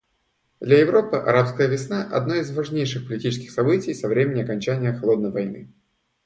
Для Европы «арабская весна» — одно из важнейших политических событий со времени окончания «холодной войны».